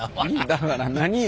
だから何よ？